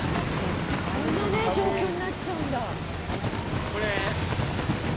こんなね状況になっちゃうんだ。